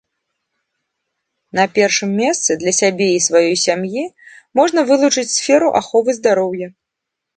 На першым месцы для сябе і сваёй сям'і можна вылучыць сферу аховы здароўя.